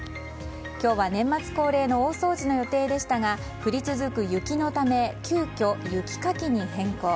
今日は、年末恒例の大掃除の予定でしたが降り続く雪のため急きょ雪かきに変更。